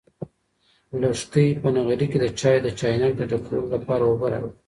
لښتې په نغري کې د چایو د چاینک د ډکولو لپاره اوبه راوړې.